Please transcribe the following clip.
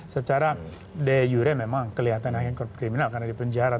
secara de jure memang kelihatan hanya kriminal karena di penjara